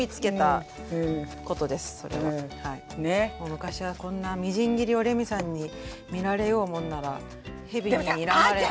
昔はこんなみじん切りをレミさんに見られようもんならヘビににらまれた。